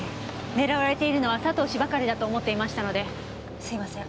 狙われているのは佐藤氏だとばかり思っていましたのですいません